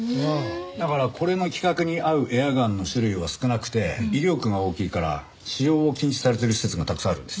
だからこれの規格に合うエアガンの種類は少なくて威力が大きいから使用を禁止されてる施設がたくさんあるんです。